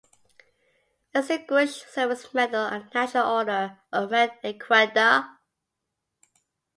Distinguished Service Medal and the National Order of Merit-Ecuador.